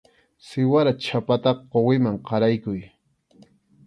Siwara chhapataqa quwiman qaraykuy.